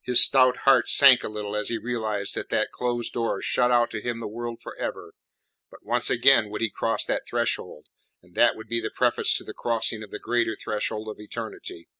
His stout heart sank a little as he realized that that closed door shut out to him the world for ever; but once again would he cross that threshold, and that would be the preface to the crossing of the greater threshold of eternity.